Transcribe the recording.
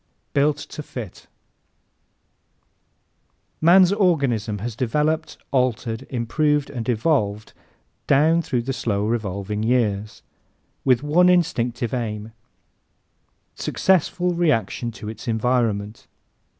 Built to Fit ¶ Man's organism has developed, altered, improved and evolved "down through the slow revolving years" with one instinctive aim successful reaction to its environment.